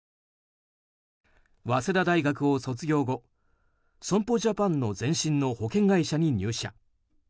早稲田大学を卒業後損保ジャパンの前身の保険会社に入社。